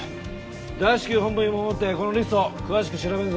大至急本部に戻ってこのリスト詳しく調べるぞ。